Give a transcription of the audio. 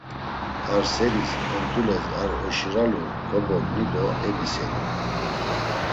Ar seris ont̆ules ar oşiralu kobogni do ebiseli.